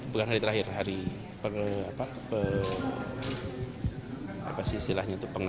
bukan hari terakhir hari apa sih istilahnya itu